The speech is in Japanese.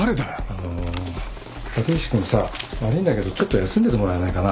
あの立石君さ悪いんだけどちょっと休んでてもらえないかな？